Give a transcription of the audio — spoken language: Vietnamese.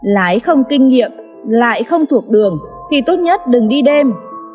lái không kinh nghiệm lại không thuộc đường thì tốt nhất đừng đi đêm